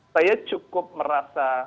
saya cukup merasa